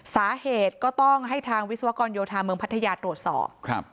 สาเหตุก็ต้องให้ทางวิศวกรโยธาเมืองพัทยาตรวจสอบครับ